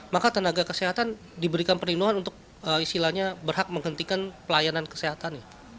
maka tenaga kesehatan diberikan perlindungan untuk istilahnya berhak menghentikan pelayanan kesehatan